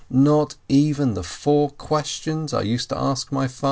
Not even the Four Questions I used to ask my father.